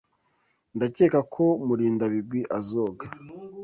Ndakeka ko Murindabigwi azoga.